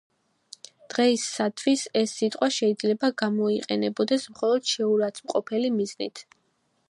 დღეისათვის, ეს სიტყვა შეიძლება გამოიყენებოდეს მხოლოდ შეურაცხმყოფელი მიზნით.